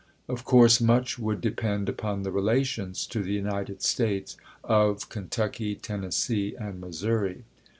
Of course much would depend upon the relations to the United States of Ken tucky, Tennessee, and Missouri.